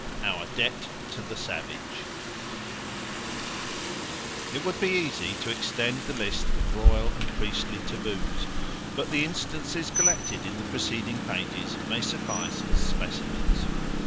Our Debt to the Savage IT would be easy to extend the list of royal and priestly taboos, but the instances collected in the preceding pages may suffice as specimens.